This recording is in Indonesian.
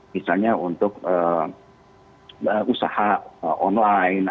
misalnya untuk usaha online